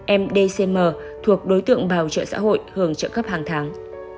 em dcm thuộc đối tượng bảo trợ xã hội hưởng trợ cấp hàng tháng